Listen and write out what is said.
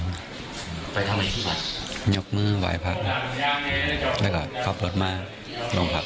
ยกมือไหว้พักแล้วก็ขับรถมาลงพัก